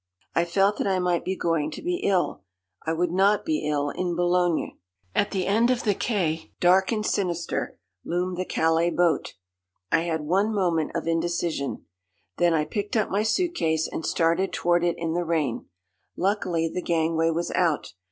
I felt that I might be going to be ill. I would not be ill in Boulogne. "At the end of the quay, dark and sinister, loomed the Calais boat. I had one moment of indecision. Then I picked up my suitcase and started toward it in the rain. Luckily the gangway was out.